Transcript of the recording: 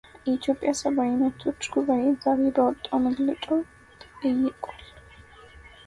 የኢትዮጵያ ሰብዓዊ መብቶች ጉባኤ ዛሬ ባወጣው መግለጫው ጠይቋል።